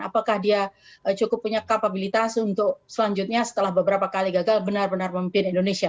apakah dia cukup punya kapabilitas untuk selanjutnya setelah beberapa kali gagal benar benar memimpin indonesia